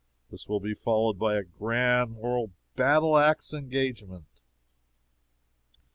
This will be followed by a grand moral BATTLE AX ENGAGEMENT!